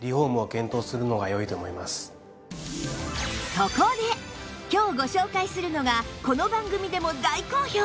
そこで今日ご紹介するのがこの番組でも大好評！